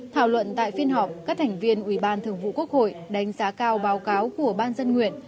thảo luận tại phiên họp các thành viên ủy ban thường vụ quốc hội đánh giá cao báo cáo của ban dân nguyện